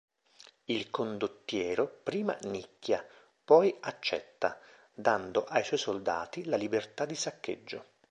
Il condottiero prima nicchia, poi accetta, dando ai suoi soldati la libertà di saccheggio.